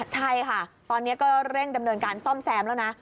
ใช่ค่ะตอนนี้ก็เร่งดำเนินการซ่อมแซมแล้วนะ